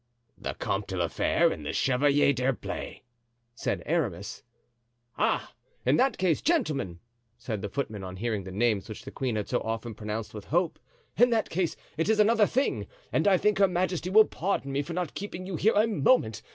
"The Comte de la Fere and the Chevalier d'Herblay," said Aramis. "Ah! in that case, gentlemen," said the footman, on hearing the names which the queen had so often pronounced with hope, "in that case it is another thing, and I think her majesty will pardon me for not keeping you here a moment.